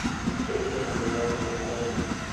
ټپي ته مهرباني درملنه ده.